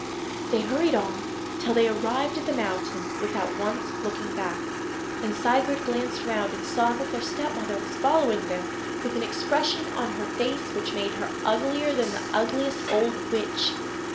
They hurried on till they arrived at the mountain without once looking back. Then Sigurd glanced round and saw that their stepmother was following them, with an expression on her face which made her uglier than the ugliest old witch.